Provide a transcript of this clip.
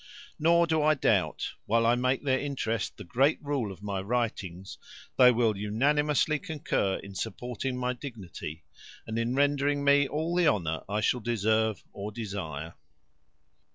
Nor do I doubt, while I make their interest the great rule of my writings, they will unanimously concur in supporting my dignity, and in rendering me all the honour I shall deserve or desire.